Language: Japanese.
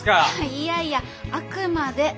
いやいやあくまで案だよ。